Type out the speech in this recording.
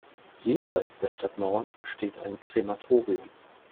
Jenseits der Stadtmauern steht ein Krematorium.